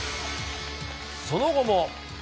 その後も。